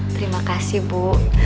terima kasih bu